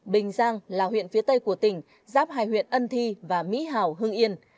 bình giang là huyện phía tây của tỉnh giáp hai huyện ân thi và mỹ hảo hưng yên